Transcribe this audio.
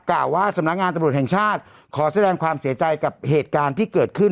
กล่าวว่าสำนักงานตำรวจแห่งชาติขอแสดงความเสียใจกับเหตุการณ์ที่เกิดขึ้น